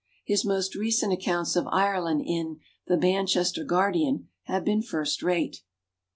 His more recent accounts of Ireland, in "The Manchester Guardian", have been first rate.